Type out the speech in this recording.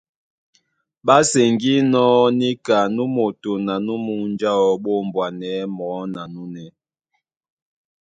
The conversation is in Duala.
Ɓá seŋgínɔ́ níka nú moto na nú munja áō ɓá ombwanɛ̌ mɔɔ́ na núnɛ́.